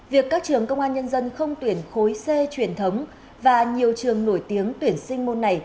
việc các trường công an nhân dân không tuyển khối c truyền thống và nhiều trường nổi tiếng tuyển sinh môn này